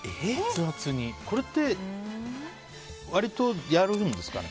これって、割とやるんですかね。